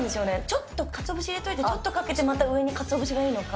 ちょっとかつお節入れといて、ちょっとかけてまたかつお節がいいのか。